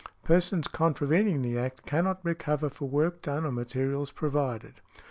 Persons contravening the Act cannot recover for work done or materials provided.